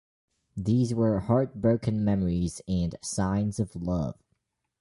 These were "Heartbroken Memories" and "Signs Of Love".